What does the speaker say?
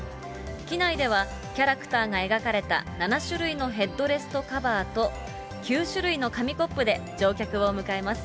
機内では、キャラクターが描かれた７種類のヘッドレストカバーと、９種類の紙コップで乗客を迎えます。